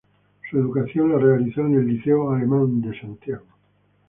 Su educación la realizó en el Liceo Alemán de Santiago.